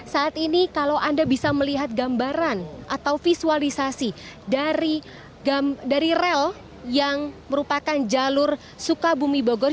saat ini kalau anda bisa melihat gambaran atau visualisasi dari rel yang merupakan jalur sukabumi bogor